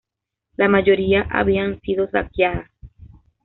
La mayoría habían sido saqueadas.